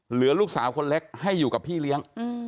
ลูกสาวคนเล็กให้อยู่กับพี่เลี้ยง